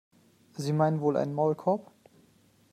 Sie meinen wohl einen Maulkorb?